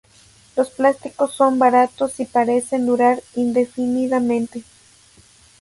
Los plásticos son baratos y parecen durar indefinidamente.